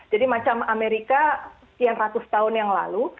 jadi macam amerika yang ratus tahun yang lalu